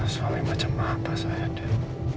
suami macam apa saya dan